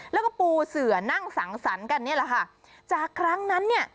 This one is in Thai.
แล้วก็ปูเสือนั่งสังสรรค์กันนี่แหละค่ะจากครั้งนั้นเนี่ย